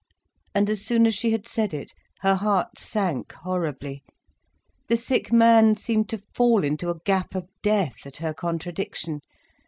And as soon as she had said it, her heart sank horribly. The sick man seemed to fall into a gap of death, at her contradiction.